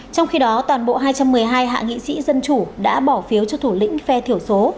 trong khi đó toàn bộ hai trăm một mươi hai hạ nghị sĩ dân chủ đã bỏ phiếu cho thủ lĩnh phe thiểu số